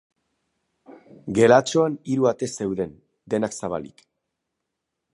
Gelatxoan hiru ate zeuden, denak zabalik.